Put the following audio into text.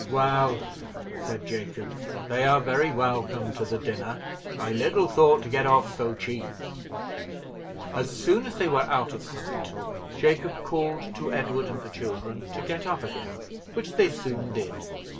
"Well," said Jacob, "they are very welcome to the dinner; I little thought to get off so cheap." As soon as they were out of sight, Jacob called to Edward and the children to get up again, which they soon did.